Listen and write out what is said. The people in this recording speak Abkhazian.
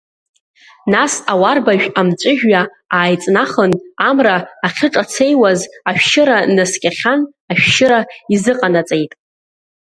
Нас ауарбажә амҵәыжәҩа ааиҵнахын амра ахьиҿацеиуаз ашәшьыра наскьахьан ашәшьыра изыҟанаҵеит.